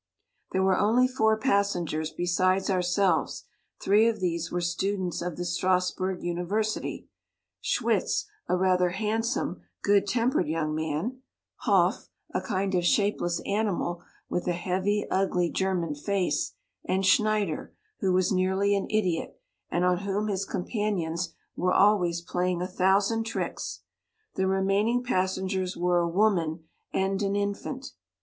There were only four passengers besides ourselves, three of these were students of the Strasburgh university: Schwitz, a rather handsome, good tem pered young man ; Hoff, a kind of shapeless animal, with a heavy, ugly, German face ; and Schneider, who was nearly an ideot, and on whom his companions were always playing a thousand tricks: the remaining pas sengers were a woman, and an infant.